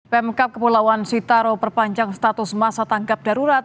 pemkap kepulauan sitaro perpanjang status masa tanggap darurat